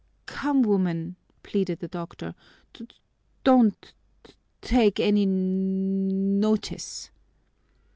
"Come, woman!" pleaded the doctor. "D don't t take any n notice!"